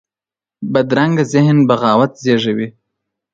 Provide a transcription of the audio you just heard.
بدرنګه ذهن بغاوت زېږوي